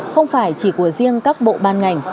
không phải chỉ của riêng các bộ ban ngành